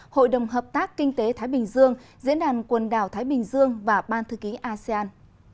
hội đồng hợp tác kinh tế thái bình dương diễn đàn quần đảo thái bình dương và ban thư ký asean